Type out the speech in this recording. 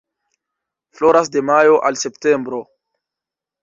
Floras de majo al septembro.